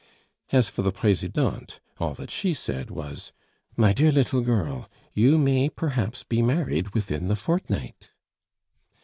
As for the Presidente, all that she said was, "My dear little girl, you may perhaps be married within the fortnight."